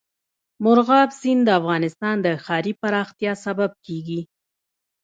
مورغاب سیند د افغانستان د ښاري پراختیا سبب کېږي.